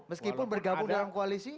meskipun bergabung dalam koalisi